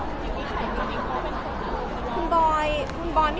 เธอรู้ใจเป็นภูมิเป็นซึ่งพวกคะ